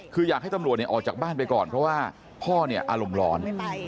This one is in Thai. คืออยากให้ตำรวจออกจากบ้านไปก่อนเพราะว่าพ่อเนี่ยอารมณ์ร้อน